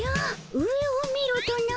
上を見ろとな？